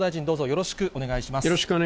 よろしくお願いします。